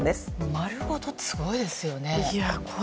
丸ごとって、すごいですよね。